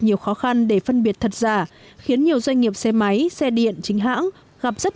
nhiều khó khăn để phân biệt thật giả khiến nhiều doanh nghiệp xe máy xe điện chính hãng gặp rất